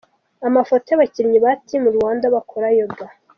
Amafoto y’abakinnyi ba Team Rwanda bakora Yoga.